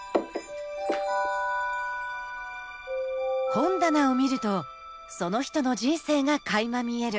本棚を見るとその人の人生がかいま見える。